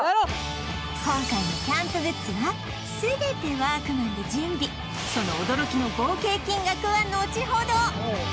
今回のキャンプグッズは全てワークマンで準備その驚きの合計金額は後ほど